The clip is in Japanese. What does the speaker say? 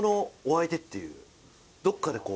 どっかでこう。